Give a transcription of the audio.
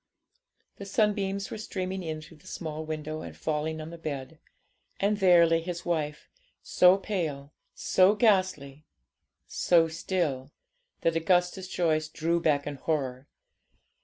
The sunbeams were streaming in through the small window, and falling on the bed. And there lay his wife, so pale, so ghastly, so still, that Augustus Joyce drew back in horror.